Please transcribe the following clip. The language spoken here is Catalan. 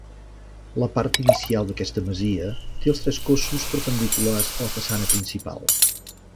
La part inicial d'aquesta masia té els tres cossos perpendiculars a la façana principal.